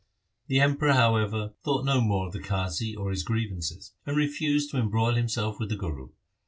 The Emperor, how ever, thought no more of the Qazi or his grievances, and refused to embroil himself with the Guru.